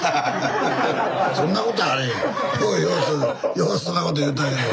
ようそんなこと言うたけど。